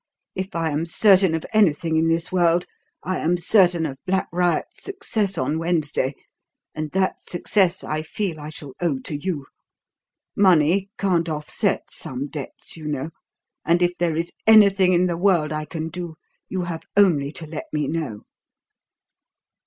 If I am certain of anything in this world I am certain of Black Riot's success on Wednesday; and that success I feel I shall owe to you. Money can't offset some debts, you know; and if there is anything in the world I can do, you have only to let me know."